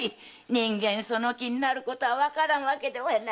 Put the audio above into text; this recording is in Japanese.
人間その気になるのもわからんわけではない。